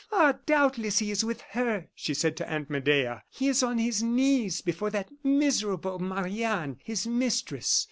"Ah! doubtless he is with her," she said to Aunt Medea. "He is on his knees before that miserable Marie Anne his mistress."